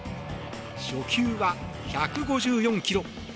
初球は１５４キロ。